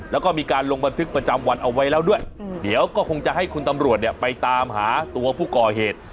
แล้วก็มีการลงบันทึกประจำวันเอาไว้แล้วด้วยเดี๋ยวก็คงจะให้คุณตำรวจเนี่ยไปตามหาตัวผู้ก่อเหตุ